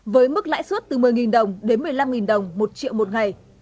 với mức lãi suất từ một mươi đồng đến một mươi năm đồng một triệu một ngày